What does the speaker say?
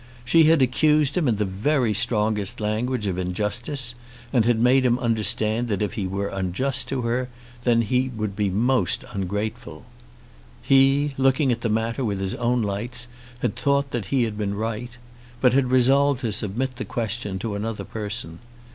She had accused him in the very strongest language of injustice, and had made him understand that if he were unjust to her, then would he be most ungrateful. He, looking at the matter with his own lights, had thought that he had been right, but had resolved to submit the question to another person.